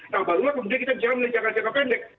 nah barulah kemudian kita jangka pendek